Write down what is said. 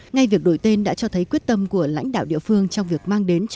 ngay việc đổi tên đã cho thấy quyết tâm của lãnh đạo địa phương trong việc mang đến cho